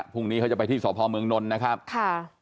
พรุ่งนี้เขาจะไปที่สพเมืองนนท์นะครับค่ะ